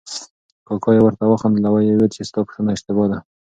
کاکا یې ورته وخندل او ویې ویل چې ستا پوښتنه اشتباه ده.